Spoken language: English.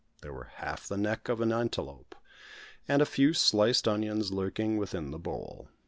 There were half the neck of an antelope and a few sliced onions lurking within the bowl.